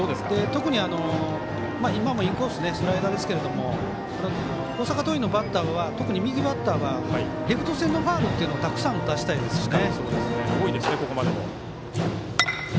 特に今もインコーススライダーですけど大阪桐蔭のバッターは特に右バッターはレフト線のファウルというのをたくさん打たせたいですしね。